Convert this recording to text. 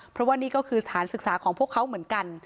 เพราะว่านี่ก็คือสถานศึกษาของพวกเขาเหมือนกัน